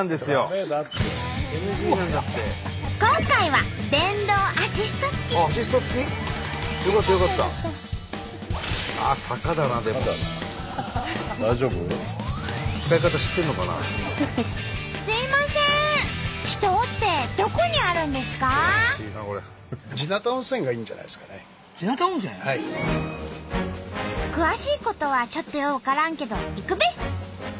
詳しいことはちょっとよう分からんけど行くべし！